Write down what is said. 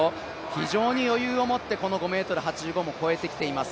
非常に余裕を持ってこの５ｍ８５も越えてきています。